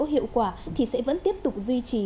hiệu quả thì sẽ vẫn tiếp tục duy trì